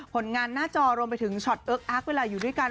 ผลงานหน้าจอรวมไปถึงช็อตเอิ๊กอักเวลาอยู่ด้วยกัน